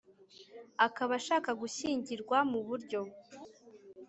Akaba ashaka gushyingirwa mu buryo